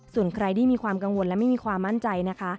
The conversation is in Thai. ส่วนใครที่มีความกังวลและไม่มีความมั่นใจนะคะ